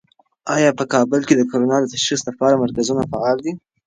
آیا په کابل کې د کرونا د تشخیص لپاره مرکزونه فعال دي؟